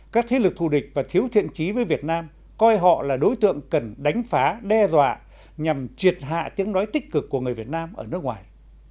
các thế lực thù địch và thiếu thiện trí với việt nam coi họ là đối tượng cần đánh phá đe dọa nhằm triệt hạ tiếng nói tích cực của người việt nam ở nước ngoài